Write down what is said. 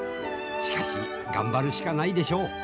しかし頑張るしかないでしょう。